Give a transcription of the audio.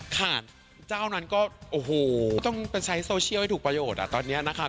ค่ะเจ้านั้นก็โอ้โหต้องใช้โซเชียลให้ถูกประโยชนอ่ะตอนนี้นะคะ